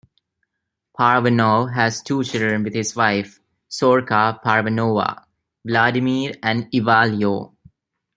Parvanov has two children with his wife, Zorka Parvanova: Vladimir and Ivaylo.